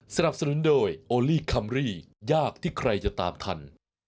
สนับสนุนโดยโอลี่คัมรี่ยากที่ใครจะตามทัน